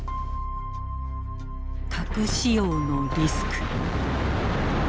核使用のリスク。